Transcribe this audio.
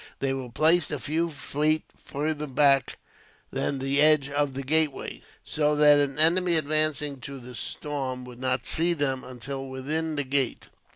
They were placed a few feet farther back than the edge of the gateway, so that an enemy advancing to the storm would not see them, until within the gate.